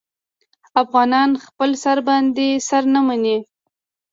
افغانان خپل سر باندې سر نه مني.